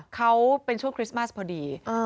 เขาเป็นช่วงคริสต์มาสพอดี